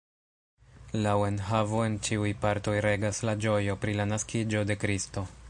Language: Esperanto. Laŭ enhavo en ĉiuj partoj regas la ĝojo pri la naskiĝo de Kristo.